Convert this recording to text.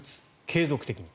継続的に。